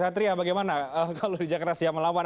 satria bagaimana kalau di jakarta siap melawan